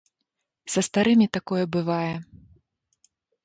Са старымі такое бывае.